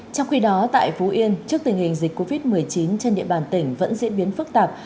trong khi đó tại phú yên trước tình hình dịch covid một mươi chín trên địa bàn tỉnh vẫn diễn biến phức tạp